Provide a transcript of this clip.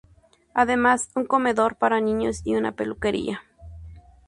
Además, un comedor para niños y una peluquería.